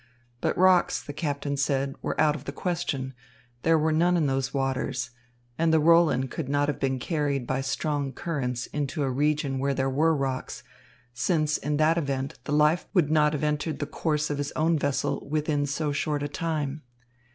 But rocks, the captain said, were out of the question. There were none in those waters, and the Roland could not have been carried by strong currents into a region where there were rocks, since in that event the life boat would not have entered the course of his own vessel within so short a time.